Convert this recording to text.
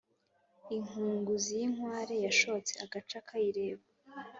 Inkunguzi y’inkware yashotse agaca kayireba.